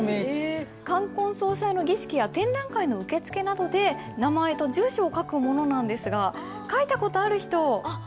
冠婚葬祭の儀式や展覧会の受付などで名前と住所を書くものなんですが書いた事ある人。